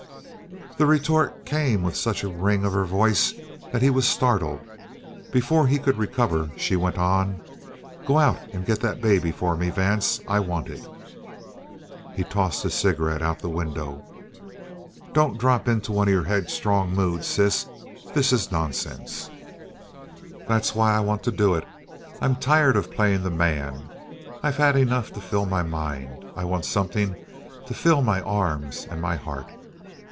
The retort came with such a ring of her voice that he was startled. Before he could recover, she went on: "Go out and get that baby for me, Vance. I want it." He tossed his cigarette out of the window. "Don't drop into one of your headstrong moods, sis. This is nonsense." "That's why I want to do it. I'm tired of playing the man. I've had enough to fill my mind. I want something to fill my arms and my heart."